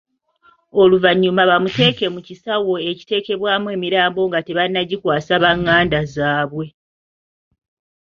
Oluvannyuma bamuteeke mu kisaawo ekiteekebwamu emirambo nga tebannagikwasa banganda zaabwe.